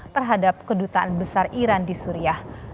terhadap kedutaan besar iran di suriah